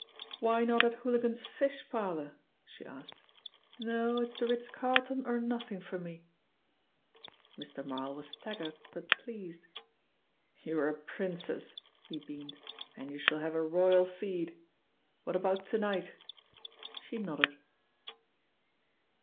"Why not at Hooligans Fish Parlour?" she asked. "No, it's the Ritz Carlton or nothing for me." Mr. Marl was staggered, but pleased. "You're a princess," he beamed, "and you shall have a royal feed! What about to night?" She nodded.